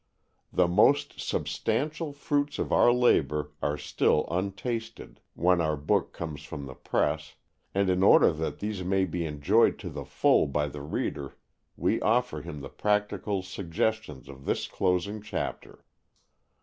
The most substantial fruits of our labor are still untasted when our book comes from the press, and in order that these may be enjoyed to the full by the reader we offer him the practical suggestions of this closing chapter.